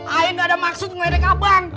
ayah ga ada maksud ngelerik abang